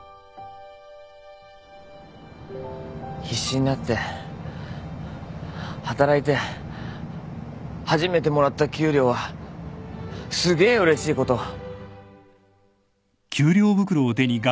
必死になって働いて初めてもらった給料はすげえうれしいこと。